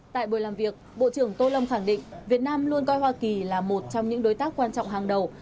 tại buổi làm việc bộ trưởng tô lâm khẳng định việt nam luôn coi hoa kỳ là một trong những đối tác quan trọng hàng đầu